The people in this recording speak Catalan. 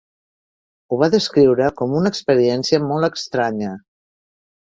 Ho va descriure com una experiència molt estranya.